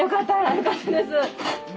よかったです。